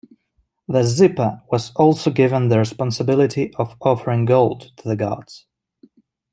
The "zipa" was also given the responsibility of offering gold to the gods.